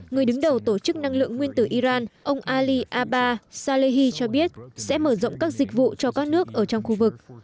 người đứng đầu tổ chức năng lượng nguyên tử iran ông ali aba salehi cho biết sẽ mở rộng các dịch vụ cho các nước ở trong khu vực